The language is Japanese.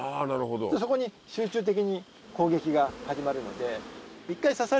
そこに集中的に攻撃が始まるので。